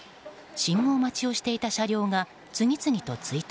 信号待ちをしていた車両が次々と追突。